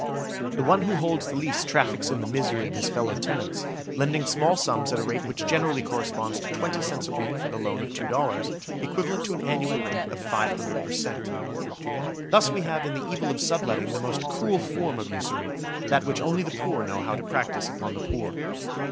The one who holds the lease traffics in the misery of his fellow tenants, lending small sums at a rate which generally corresponds to twenty cents a week for the loan of two dollars, equivalent to an annual rate of 500 per cent. Thus we have in the evil of subletting the most cruel form of usury: that which only the poor know how to practise upon the poor.